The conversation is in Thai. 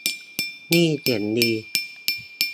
นี่เจ๋งจริง